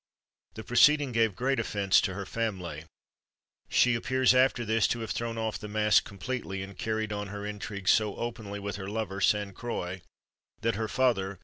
The proceeding gave great offence to her family. She appears, after this, to have thrown off the mask completely, and carried on her intrigues so openly with her lover, Sainte Croix, that her father, M.